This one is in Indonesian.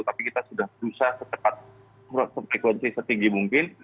tapi kita sudah berusaha secepat frekuensi setinggi mungkin